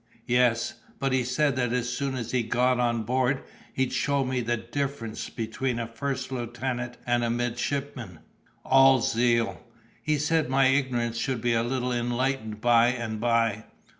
"Yes, but he said that as soon as he got on board, he'd show me the difference between a first lieutenant and a midshipman." "All zeal." "He said my ignorance should be a little enlightened by and by."